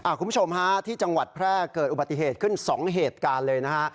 คุณผู้ชมฮะที่จังหวัดแพร่เกิดอุบัติเหตุขึ้น๒เหตุการณ์เลยนะฮะ